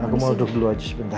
aku mau duduk dulu aja sebentar